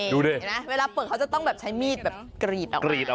ดูดิเห็นไหมเวลาเปิดเขาจะต้องแบบใช้มีดแบบกรีดออกกรีดออก